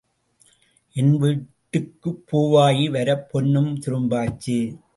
என் வீட்டுக்குப் பூவாயி வரப் பொன்னும் துரும்பாச்சு.